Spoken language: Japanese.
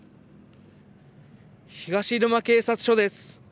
東入間警察署です。